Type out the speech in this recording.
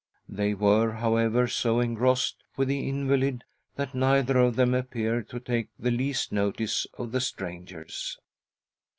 They were, however, so engrossed with the invalid, that neither of them appeared to take the least notice of the strangers.